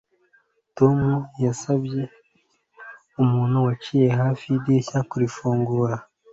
Tom yasabye umuntu wicaye hafi yidirishya kuyifungura